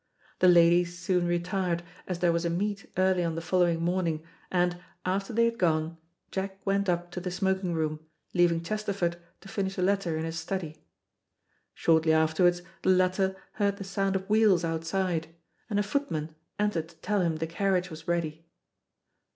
The ladies soon retired, as there was a meet early on the following morning, and, after they had gone, Jack went up to the smoking room, leaving Chesterford to finish a letter in his study. Shortly afterwards the latter heard the sound of wheels outside, and a footman entered to tell him the carriage was ready.